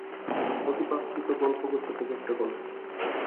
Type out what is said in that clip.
অতিপ্রাকৃত গল্পগুচ্ছ থেকে একটা গল্প।